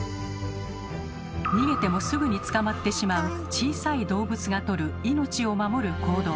逃げてもすぐに捕まってしまう小さい動物がとる命を守る行動。